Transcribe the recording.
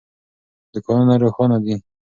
دوکانونه روښانه دي.